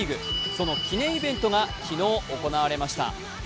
その記念イベントが昨日、行われました。